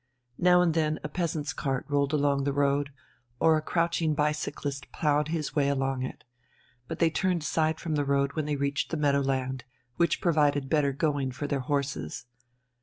Now and then a peasant's cart rolled along the road, or a crouching bicyclist ploughed his way along it. But they turned aside from the road when they reached the meadow land, which provided better going for their horses.